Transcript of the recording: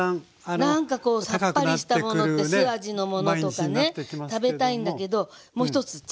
そうなんかこうさっぱりしたものって酢味のものとかね食べたいんだけどもう一つ知恵。